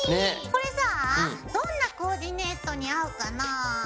これさぁどんなコーディネートに合うかなぁ？